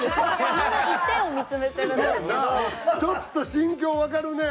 ちょっと心境わかるね。